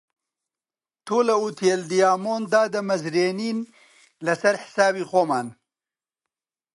تۆ لە ئوتێل دیامۆند دادەمەزرێنین لەسەر حیسابی خۆمان